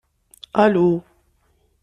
Alu!